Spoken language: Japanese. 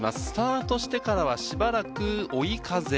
スタートしてからはしばらく追い風。